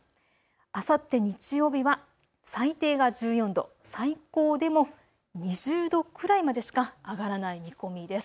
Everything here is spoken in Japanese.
あさって日曜日は最低が１４度、最高でも２０度くらいまでしか上がらない見込みです。